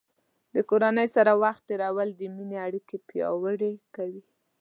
د کورنۍ سره وخت تیرول د مینې اړیکې پیاوړې کوي.